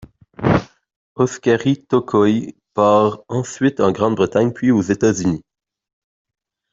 Oskari Tokoi part ensuite en Grande-Bretagne puis aux États-Unis.